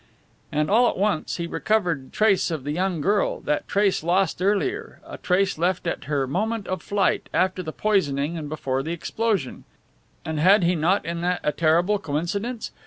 And, all at once, he recovered trace of the young girl, that trace lost earlier, a trace left at her moment of flight, after the poisoning and before the explosion. And had he not in that a terrible coincidence?